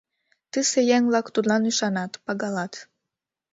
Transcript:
Тысе еҥ-влак тудлан ӱшанат, пагалат.